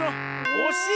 おしい？